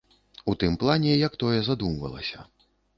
У тым плане, як тое задумвалася.